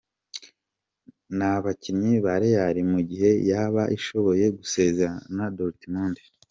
nabakinnyi ba Real mugihe yaba ishoboye gusezerera Dortmund.